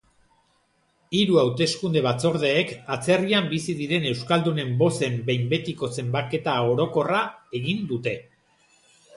Hiru hauteskunde-batzordeek atzerrian bizi diren euskaldunen bozen behin betiko zenbaketa orokorra egin dute.